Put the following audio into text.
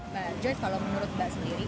mbak joyce kalau menurut mbak sendiri